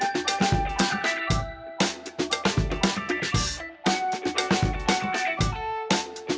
เอาไว้ได้เอาเอามา